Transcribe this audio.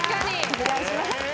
お願いします。